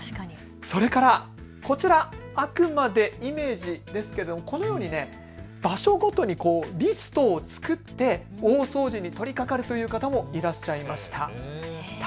それからこちら、あくまでイメージですがこのように場所ごとにリストを作って大掃除に取りかかるという方もいらっしゃいました。